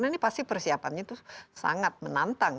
ini persiapannya itu sangat menantang